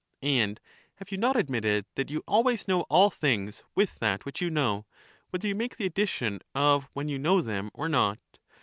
And have you not admitted that you always know all things with that which you know, whether you make the addition of when you know them or not?